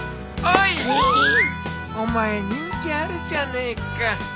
お前人気あるじゃねえか。